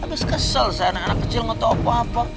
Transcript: habis kesel seorang anak kecil ngotoh apa apa